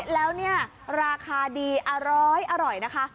แล้วราคาดีอร้อยนะคะ